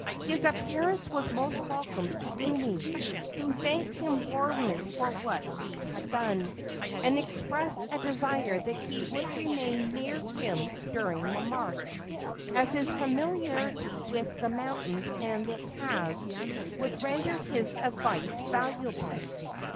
His appearance was most welcome to Umi, who thanked him warmly for what he had done, and expressed a desire that he would remain near him during the march, as his familiarity with the mountains and their paths would render his advice valuable.